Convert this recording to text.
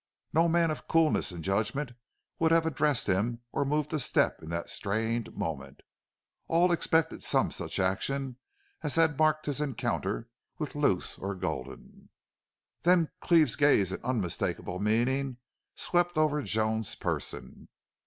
No man of coolness and judgment would have addressed him or moved a step in that strained moment. All expected some such action as had marked his encounter with Luce and Gulden. Then Cleve's gaze in unmistakable meaning swept over Joan's person.